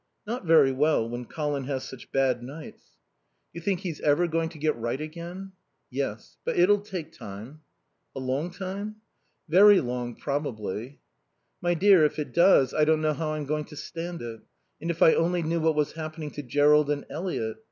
"Not very well, when Colin has such bad nights." "Do you think he's ever going to get right again?" "Yes. But it'll take time." "A long time?" "Very long, probably." "My dear, if it does, I don't know how I'm going to stand it. And if I only knew what was happening to Jerrold and Eliot.